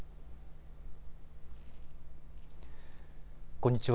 こんにちは。